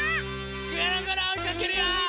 ぐるぐるおいかけるよ！